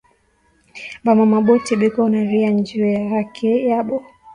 Ba mama bote beko naria nju ya haki yabo